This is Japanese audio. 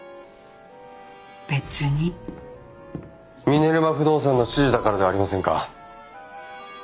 ミネルヴァ不動産の指示だからではありませんか？